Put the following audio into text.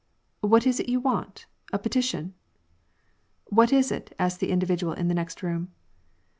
" What is it you want ? A petition ?"'^ What is it ?" asked the individual in the next room.